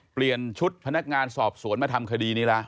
เปลี่ยนชุดพนักงานสอบสวนมาทำคดีนี้ละ